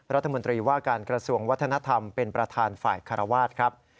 รัฐมนตรีว่าการกระทรวงวัฒนธรรมเป็นประธานฝ่ายคารวาสครับ